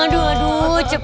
cukup cukup cukup